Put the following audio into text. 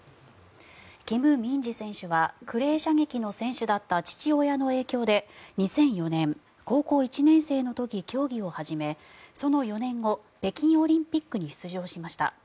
キム・ミンジ選手はクレー射撃の選手だった父親の影響で２００４年、高校１年生の時競技を始めその４年後、北京オリンピックに出場しました。